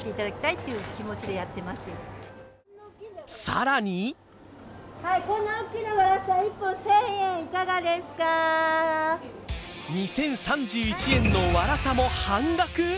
更に２０３１円のワラサも半額。